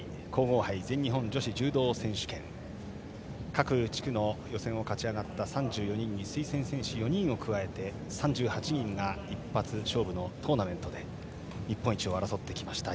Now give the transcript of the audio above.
各地区の予選を勝ち上がった３４人に推薦選手４人を加えて３８人が一発勝負のトーナメントで日本一を争ってきました。